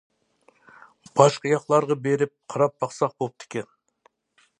باشقا ياقلارغا بېرىپ قاراپ باقساڭ بوپتىكەن.